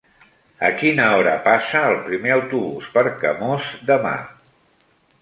A quina hora passa el primer autobús per Camós demà?